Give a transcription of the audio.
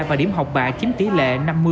và điểm học bạ chiếm tỉ lệ năm mươi năm mươi